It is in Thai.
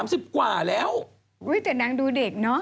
ใช่ไม่ถ้านางดูเด็กเนอะ